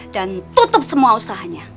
dan tutup semua usahanya